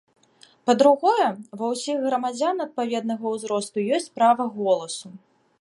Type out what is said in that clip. Па-другое, ва ўсіх грамадзян адпаведнага ўзросту ёсць права голасу.